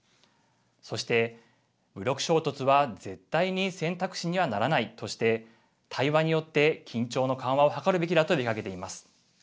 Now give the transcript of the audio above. そして、武力衝突は絶対に選択肢にはならないとして対話によって緊張の緩和を図るべきだと呼びかけています。